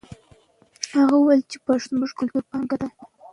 هغه وویل چې پښتو زموږ کلتوري پانګه ده.